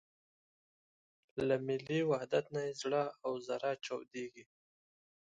له ملي وحدت نه یې زړه او زره چاودېږي.